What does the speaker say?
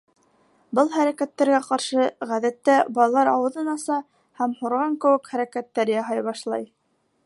Был хәрәкәттәргә ҡаршы, ғәҙәттә, балалар ауыҙын аса һәм һурған кеүек хәрәкәттәр яһай башлай.